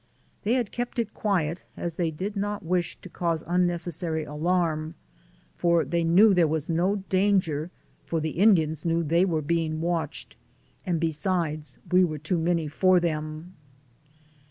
They had kept it quiet, as they did not wish to cause unnecessary alarm, for they knew there was no danger, for the Indians knew they were being watched, and besides we are too many for them.